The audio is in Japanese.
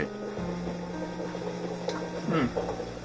うん。